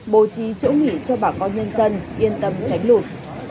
bố trí chỗ nghỉ cho bà con nhân dân yên tâm tránh lụt